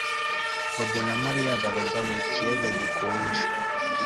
Bobo na Mariya baroga mu kiyaga gikonje